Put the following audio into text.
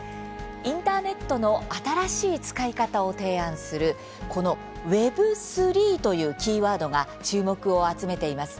インターネットの新しい使い方を提案するこのＷｅｂ３というキーワードが注目を集めています。